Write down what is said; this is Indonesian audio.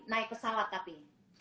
naik pesawat tapi